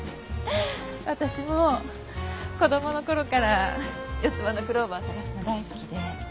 私も子供のころから四つ葉のクローバー探すの大好きで。